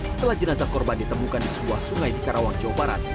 setelah jenazah korban ditemukan di sebuah sungai di karawang jawa barat